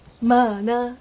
まあな。